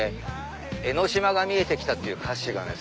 「江ノ島が見えてきた」っていう歌詞がね